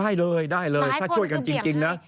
ได้เลยพระมณาค้าก็ช่วยกันจริงนะ